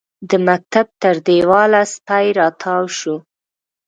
د مکتب تر دېواله سپی راتاو شو.